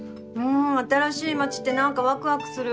ん新しい街ってなんかワクワクする。